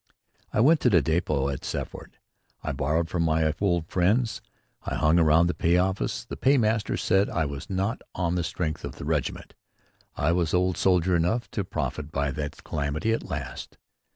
I went to the depot at Seaford. I borrowed from my old friends. I hung round the pay office. The paymaster said I was not on the strength of the regiment. I was old soldier enough to profit by that calamity at least.